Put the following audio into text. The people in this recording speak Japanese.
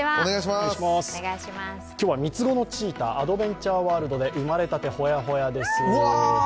今日は三つ子のチーターアドベンチャーワールドで生まれたてホヤホヤです。